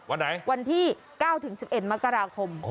วันไหนวันที่๙๑๑มกราคม